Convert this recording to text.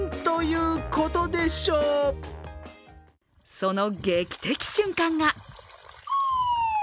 その劇的瞬間が。